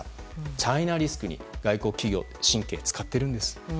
チャイナリスクに外国企業も神経を使っているんです。